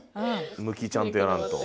向きちゃんとやらんと。